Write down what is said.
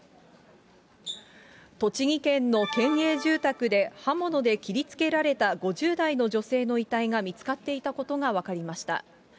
栃木県の県営住宅で、刃物で切りつけられた５０代の女性の遺体が見つかっていたことが分かりました。